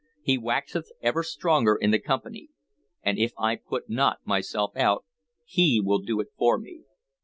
He waxeth ever stronger in the Company, and if I put not myself out, he will do it for me.